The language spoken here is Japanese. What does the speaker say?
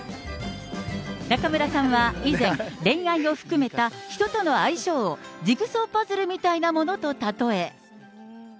中村さんは以前、恋愛を含めた人との相性を、ジグソーパズルみたいなものとたとえ。